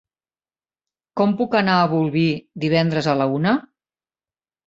Com puc anar a Bolvir divendres a la una?